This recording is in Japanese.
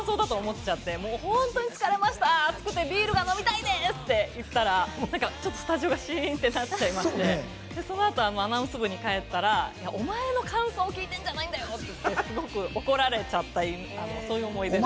感想を聞かれて、自分の感想だと思っちゃって、本当に疲れましたと、暑くてビールが飲みたいですって言ったら、スタジオがシーンっとなっちゃいまして、そのあとアナウンス部に行ったらお前の感想を聞いているんじゃないんだよって、すごく怒られちゃったという思い出です。